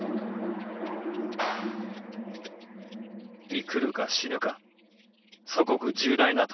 「生くるか死ぬか祖国重大な秋。